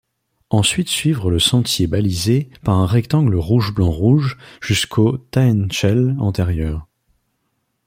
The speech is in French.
Ensuite suivre le sentier balisé par un rectangle rouge-blanc-rouge jusqu'au Taennchel antérieur.